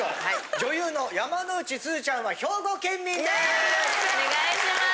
女優の山之内すずちゃんは兵庫県民です！